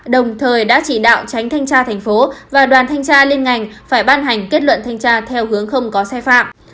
đồng thời đã chỉ đạo tránh thanh tra thành phố và đoàn thanh tra liên ngành phải ban hành kết luận thanh tra theo hướng không có sai phạm